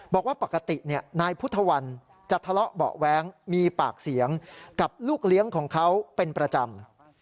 บอกว่าปกตินายพุทธวันจะทะเลาะเบาะแว้งมีปากเสียงกับลูกเลี้ยงของเขาเป็นประจำ